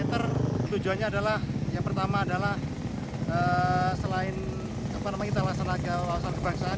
tujuannya adalah yang pertama adalah selain kita melaksanakan kebangsaan